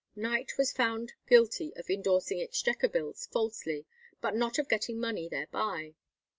Knight was found guilty of endorsing Exchequer bills falsely, but not of getting money thereby.